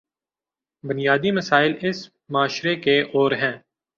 بنیادی مسائل اس معاشرے کے اور ہیں۔